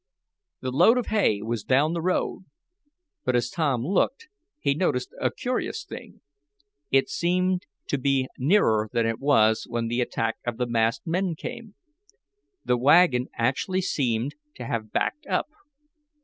The load of hay was down the road, but as Tom looked he noticed a curious thing. It seemed to be nearer than it was when the attack of the masked men came. The wagon actually seemed to have backed up.